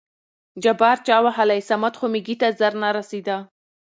جبار: چا وهلى؟ صمد خو مېږي ته زر نه رسېده.